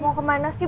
mau ke mana sih